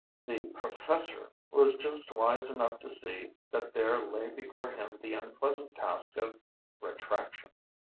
"The professor" was just wise enough to see that there lay before him the unpleasant task of retraction.